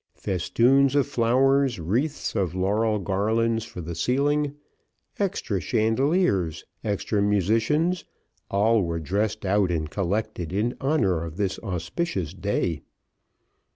Festoons of flowers, wreaths of laurel garlands from the ceiling, extra chandeliers, extra musicians, all were dressed out and collected in honour of this auspicious day.